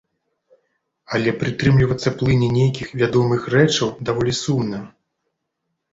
Але прытрымлівацца плыні нейкіх вядомых рэчаў даволі сумна.